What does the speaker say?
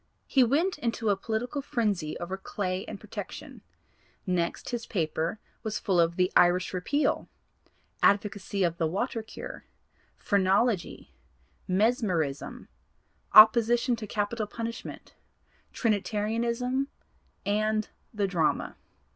He went into a political frenzy over Clay and protection; next his paper was full of the 'Irish Repeal,' 'Advocacy of the Water Cure,' 'Phrenology,' 'Mesmerism,' 'Opposition to Capital Punishment,' 'Trinitarianism' and the 'Drama.'